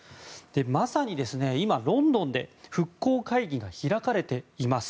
まさに今、ロンドンで復興会議が開かれています。